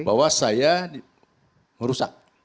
bahwa saya merusak